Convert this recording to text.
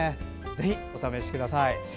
ぜひお試しください。